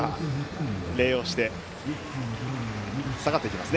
礼をして下がっていきます。